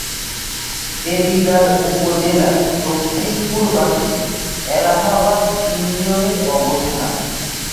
দেবিদ্বার উপজেলার দক্ষিণ-পূর্বাংশে এলাহাবাদ ইউনিয়নের অবস্থান।